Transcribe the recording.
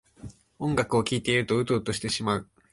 音楽を聴いているとウトウトしてしまう